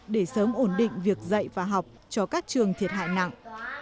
để sớm ổn định việc dạy và học cho các trường thiệt hại nặng